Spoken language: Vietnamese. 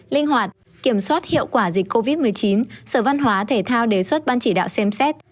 linh hoạt kiểm soát hiệu quả dịch covid một mươi chín sở văn hóa thể thao đề xuất ban chỉ đạo xem xét